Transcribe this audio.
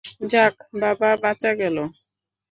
যাক বাবা, বাঁচা গেল।